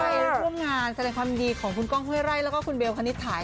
ไปร่วมงานแสดงความดีของคุณก้องห้วยไร่แล้วก็คุณเบลคณิตถ่าย